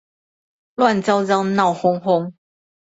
亂糟糟鬧哄哄